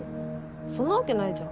そんなわけないじゃん。